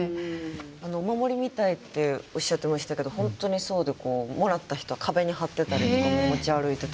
お守りみたいっておっしゃってましたけど本当にそうでこうもらった人は壁に貼ってたりとか持ち歩いてたりとかする人もいて。